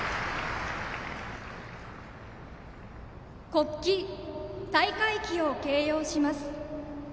国旗・大会旗を掲揚します。